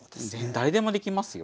誰でもできますよ。